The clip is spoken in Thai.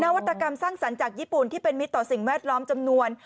วัตกรรมสร้างสรรค์จากญี่ปุ่นที่เป็นมิตรต่อสิ่งแวดล้อมจำนวน